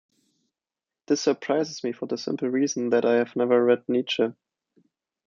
This surprises me, for the simple reason that I have never read Nietzsche.